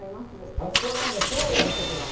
あそこはなんかショーをやるとこかな？